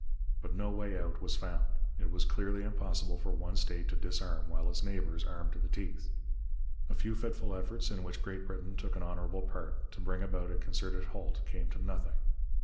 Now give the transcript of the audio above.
But no way out was found. It was clearly impossible for one state to disarm while its neighbours armed to the teeth. A few fitful efforts, in which Great Britain took an honourable part, to bring about a concerted halt came to nothing.